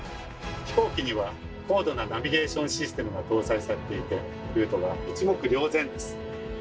飛行機には高度なナビゲーションシステムが搭載されていてルートが一目瞭然です。